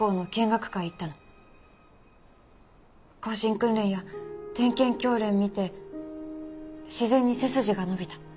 行進訓練や点検教練見て自然に背筋が伸びた。